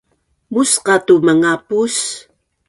musqa tu mangapus